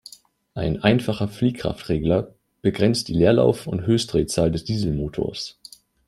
Ein einfacher Fliehkraftregler begrenzt die Leerlauf- und Höchstdrehzahl des Dieselmotors.